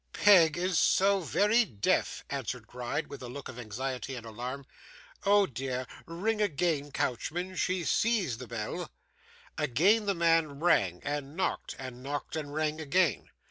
'Peg is so very deaf,' answered Gride with a look of anxiety and alarm. 'Oh dear! Ring again, coachman. She SEES the bell.' Again the man rang and knocked, and knocked and rang again.